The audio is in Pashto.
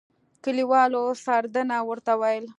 کلیوالو سردنه ورته ويل.